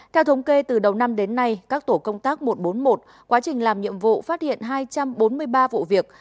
theo thống kê từ đầu năm đến nay các tổ công tác một trăm bốn mươi một quá trình làm nhiệm vụ phát hiện hai trăm bốn mươi ba vụ việc